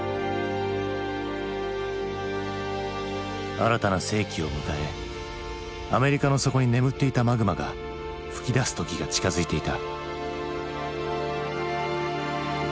新たな世紀を迎えアメリカの底に眠っていたマグマが噴き出す時が近づいていた。